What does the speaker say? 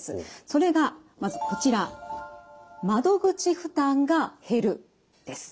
それがまずこちら「窓口負担が減る」です。